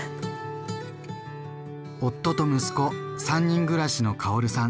夫と息子３人暮らしのカオルさん。